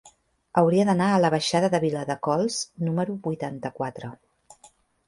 Hauria d'anar a la baixada de Viladecols número vuitanta-quatre.